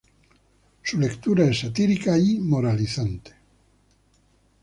Su lectura es satírica y moralizante.